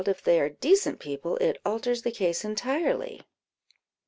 if they are decent people, it alters the case entirely."